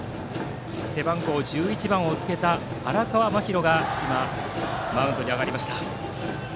背番号１１番をつけた荒川真裕が今、マウンドに上がりました。